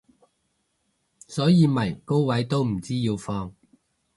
所以咪高位都唔知要放